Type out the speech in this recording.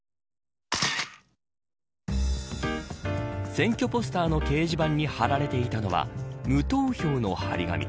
選挙ポスターの掲示板に張られていたのは無投票の貼り紙。